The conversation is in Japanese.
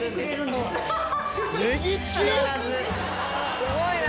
すごいな。